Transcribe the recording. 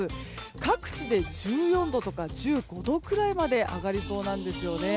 各地で１４度とか１５度くらいまで上がりそうなんですね。